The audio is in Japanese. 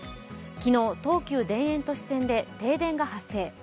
昨日東急・田園都市線で停電が発生。